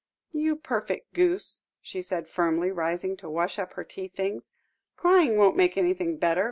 "You perfect goose," she said firmly, rising to wash up her tea things; "crying won't make anything better.